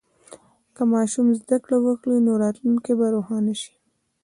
که ماشوم زده کړه وکړي، نو راتلونکی به روښانه شي.